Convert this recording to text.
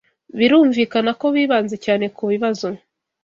birumvikana ko bibanze cyane kubibazo